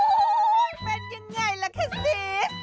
โอ้โฮเป็นยังไงล่ะแค่ซิส